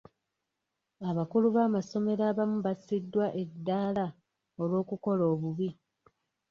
Abakulu b'amasomero abamu bassiddwa eddaala olw'okukola obubi.